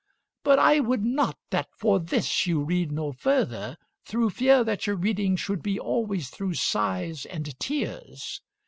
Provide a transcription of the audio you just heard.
But I would not that for this you read no further, through fear that your reading should be always through sighs and tears.